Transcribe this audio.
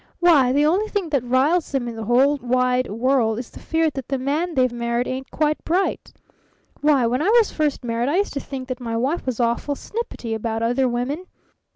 Why, the only thing that riles them in the whole wide world is the fear that the man they've married ain't quite bright. Why, when I was first married I used to think that my wife was awful snippety about other women.